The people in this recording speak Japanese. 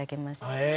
へえ。